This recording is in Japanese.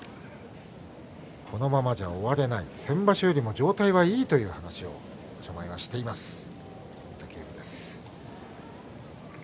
このままじゃ終われない先場所よりも状態はいいという話を場所前はしています御嶽海です。